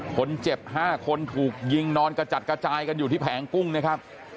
คนเจ็บ๕คนถูกยิงนอนกระจัดกระจายกันอยู่ที่แผงกุ้งนะครับ